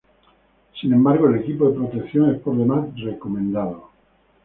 Sin embargo, el equipo de protección es por demás recomendado.